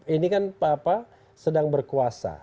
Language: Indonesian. ini kan pak papa sedang berkuasa